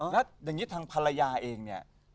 แล้วอย่างนี้ทางภรรยาเองเนี่ย